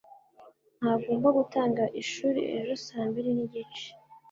Ngomba gutanga ishuri ejo saa mbiri nigice.